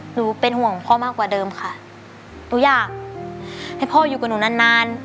หนูเป็นห่วงพ่อมากกว่าเดิมค่ะหนูอยากให้พ่ออยู่กับหนูนานนาน